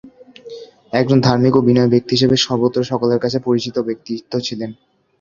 একজন ধার্মিক ও বিনয়ী ব্যক্তি হিসেবে সর্বত্র সকলের কাছে পরিচিত ব্যক্তিত্ব ছিলেন।